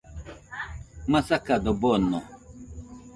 Masakado bono